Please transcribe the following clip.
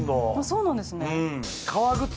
そうなんですね。